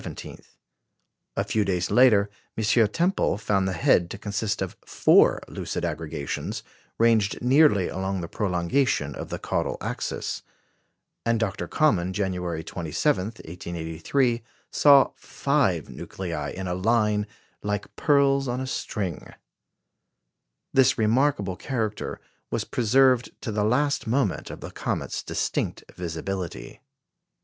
A few days later, M. Tempel found the head to consist of four lucid aggregations, ranged nearly along the prolongation of the caudal axis; and Dr. Common, January 27, 1883, saw five nuclei in a line "like pearls on a string." This remarkable character was preserved to the last moment of the comet's distinct visibility.